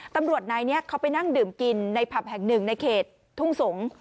ตำรวจนายนี้เขาไปนั่งดื่มกินในผับแห่งหนึ่งในเขตทุ่งสงศ์